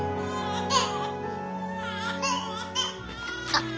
・あっ。